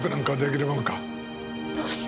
どうして？